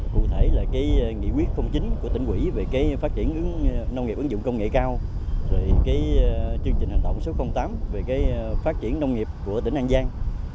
cụ thể là nghị quyết không chính của tỉnh quỷ về phát triển nông nghiệp ứng dụng công nghệ cao chương trình hành động số tám về phát triển nông nghiệp của tỉnh an giang